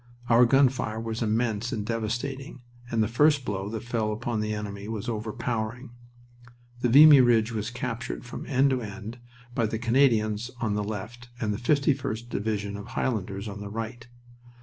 Our gun fire was immense and devastating, and the first blow that fell upon the enemy was overpowering. The Vimy Ridge was captured from end to end by the Canadians on the left and the 51st Division of Highlanders on the right.